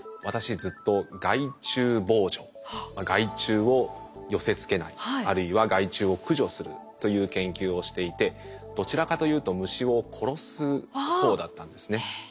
私ずっと害虫を寄せつけないあるいは害虫を駆除するという研究をしていてどちらかというと虫を殺す方だったんですね。